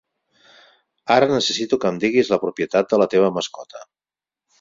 Ara necessito que em diguis la propietat de la teva mascota.